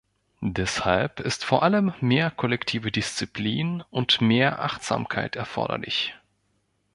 Deshalb ist vor allem mehr kollektive Disziplin und mehr Achtsamkeit erforderlich.